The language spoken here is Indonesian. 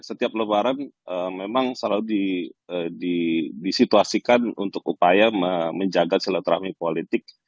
setiap lebaran memang selalu disituasikan untuk upaya menjaga silaturahmi politik